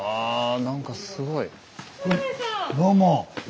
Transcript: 何かすごい！